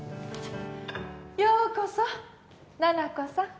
ようこそ七子さん